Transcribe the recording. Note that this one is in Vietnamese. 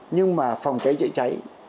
nhưng mà phòng cháy chữa cháy